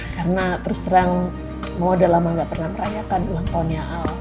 karena terus terang mama udah lama ga pernah merayakan ulang tahunnya al